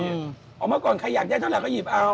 เมื่อก่อนใครอยากได้เท่าไหก็หยิบเอา